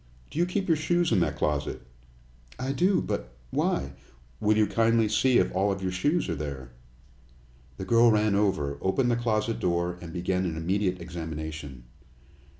Do you keep your shoes in that closet?" "I do. But why " "Will you kindly see if all of your shoes are there?" The girl ran over, opened the closet door, and began an immediate examination.